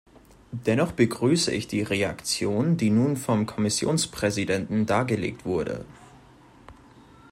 Dennoch begrüße ich die Reaktion, die nun vom Kommissionspräsidenten dargelegt wurde.